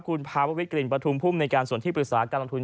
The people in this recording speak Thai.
คุณพาวิทย์กรินประธุมภุมในส่วนที่ปริศาคการลำทุน